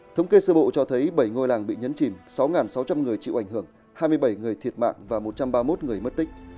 thống kê sơ bộ cho thấy bảy ngôi làng bị nhấn chìm sáu sáu trăm linh người chịu ảnh hưởng hai mươi bảy người thiệt mạng và một trăm ba mươi một người mất tích